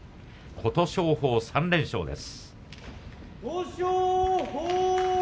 琴勝峰、３連勝です。